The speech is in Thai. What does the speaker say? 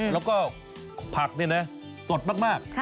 แล้วก็ผักสดมาก